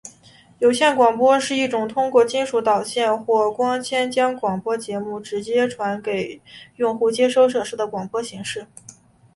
有线广播是一种通过金属导线或光纤将广播节目直接传送给用户接收设备的广播形式。